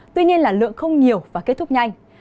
tuy nhiên là lượng không nhiều và kết thúc nhanh